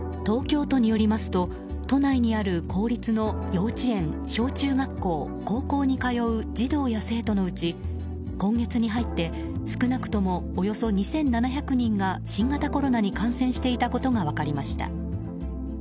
東京都によりますと都内にある公立の幼稚園小中学校、高校に通う児童や生徒のうち今月に入って少なくともおよそ２７００人が新型コロナに感染していたことが分かりました。